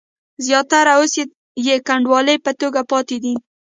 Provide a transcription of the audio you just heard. زیاتره اوس یې کنډوالې په توګه پاتې دي.